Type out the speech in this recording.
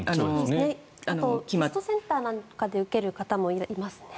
テストセンターなんかで受ける方もいますね。